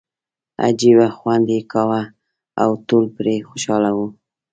عجیبه خوند یې کاوه او ټول پرې خوشاله وو.